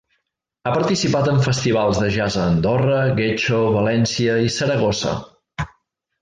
Ha participat en festivals de jazz a Andorra, Getxo, València i Saragossa.